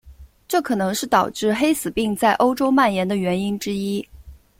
这可能是导致黑死病在欧洲蔓延的原因之一。